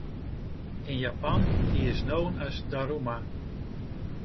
In Japan, he is known as Daruma.